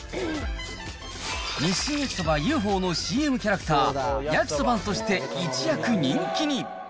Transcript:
日清焼きそばＵＦＯのＣＭキャラクター、ヤキソバンとして一躍人気に。